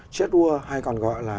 chết ua hay còn gọi là